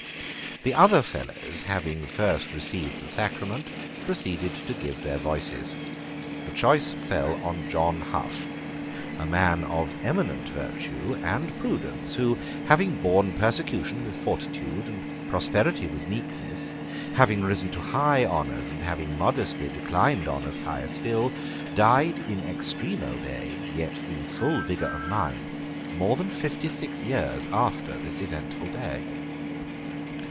The other Fellows, having first received the sacrament, proceeded to give their voices. The choice fell on John Hough, a man of eminent virtue and prudence, who, having borne persecution with fortitude and prosperity with meekness, having risen to high honours and having modestly declined honours higher still, died in extreme old age yet in full vigour of mind, more than fifty six years after this eventful day.